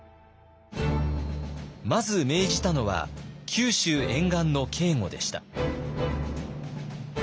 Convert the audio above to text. まず命じたのは九州沿岸の警固でした。